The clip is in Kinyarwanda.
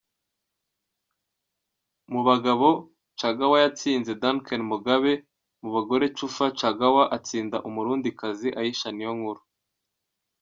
Mubagabo Changawa yatsinze Duncan Mugabe, mu bagore Chufaa Changawa atsinda umurundikazi Aisha Niyonkuru.